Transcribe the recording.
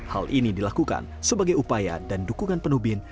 hal ini dilakukan sebagai upaya dan dukungan penuh bin